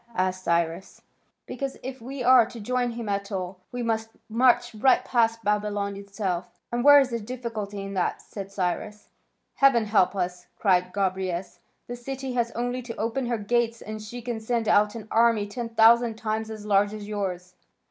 asked Cyrus. "Because if we are to join him at all, we must march right past Babylon itself." "And where is the difficulty in that?" said Cyrus. "Heaven help us!" cried Gobryas. "The city has only to open her gates, and she can send out an army ten thousand times as large as yours.